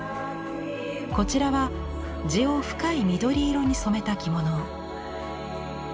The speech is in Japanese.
こちらは地を深い緑色に染めた着物。